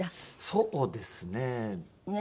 そうですね。